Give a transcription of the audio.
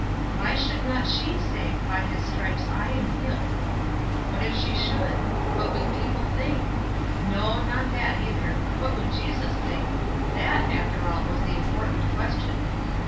Why should not she say, "By his stripes I am healed?" What if she should? What would people think? No, not that either. What would Jesus think? that, after all, was the important question.